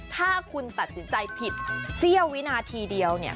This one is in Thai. ถ้าคุณตัดสินใจผิดเสี้ยววินาทีเดียวเนี่ย